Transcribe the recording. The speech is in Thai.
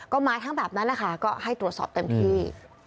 ก็มาทั้งแบบนั้นแหละค่ะก็ให้ตรวจสอบเต็มที่